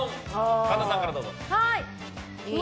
神田さん、どうぞ。